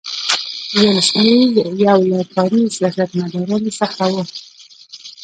ویلسلي یو له کاري سیاستمدارانو څخه وو.